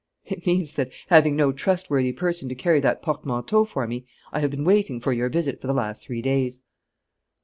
"It means that, having no trustworthy person to carry that portmanteau for me, I have been waiting for your visit for the last three days."